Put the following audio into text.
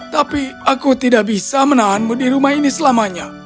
tapi aku tidak bisa menahanmu di rumah ini selamanya